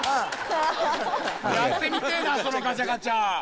やってみてえなそのガチャガチャ。